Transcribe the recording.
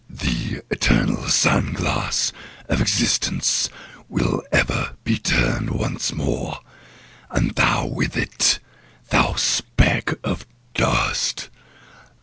The eternal sand glass of existence will ever be turned once more, and thou with it, thou speck of dust!